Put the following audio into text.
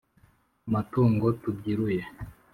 amatungo tubyiruye!